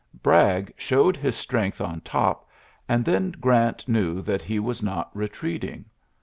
Bragg showed his strength on top, and then Grant knew that he was not retreating.